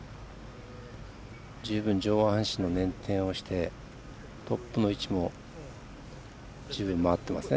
十分、上半身の捻転をしてトップの位置も回ってますね。